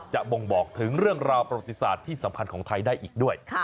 บ่งบอกถึงเรื่องราวประวัติศาสตร์ที่สำคัญของไทยได้อีกด้วย